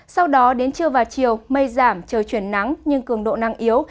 sau đó đến trưa và chiều mây giảm trời chuyển nắng nhưng cường độ nắng yếu